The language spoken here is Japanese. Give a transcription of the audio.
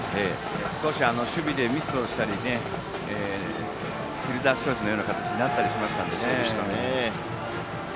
少し守備でミスしたりフィルダースチョイスのような形になりましたからね。